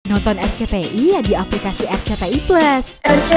nonton rcti di aplikasi rcti plus